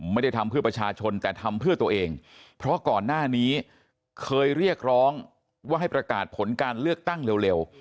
ไม่ได้ทำเพื่อประชาชนแต่ทำเพื่อตัวเองเพราะก่อนหน้านี้เคยเรียกร้องว่าให้ประกาศผลการเลือกตั้งเร็ว